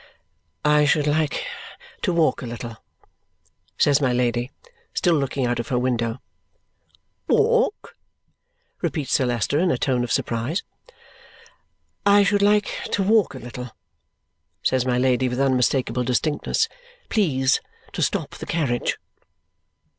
"I should like to walk a little," says my Lady, still looking out of her window. "Walk?" repeats Sir Leicester in a tone of surprise. "I should like to walk a little," says my Lady with unmistakable distinctness. "Please to stop the carriage."